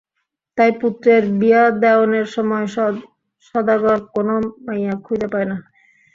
তাই পুত্রের বিয়া দেওনের সময় সদাগর কোনো মাইয়া খুঁইজা পায় না।